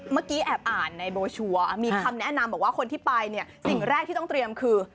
เมื่อกี้แอบอ่านในโบชัวร์มีคำแนะนำบอกว่าคนที่ไปเนี่ยสิ่งแรกที่ต้องเตรียมคือ